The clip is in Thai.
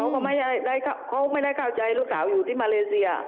เขาไม่ได้เข้าใจลูกสาวอยู่ที่มาเลเซีย